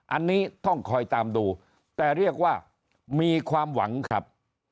อันนี้ต้องคอยตามดูแต่เรียกว่ามีความหวังครับ